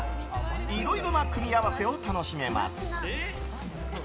いろいろな組み合わせを楽しめます。